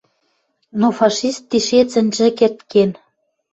Но фашист тишец ӹнжӹ керд кен.